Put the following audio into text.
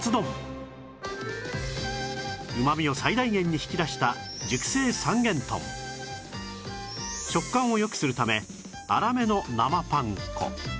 うまみを最大限に引き出した食感を良くするため粗めの生パン粉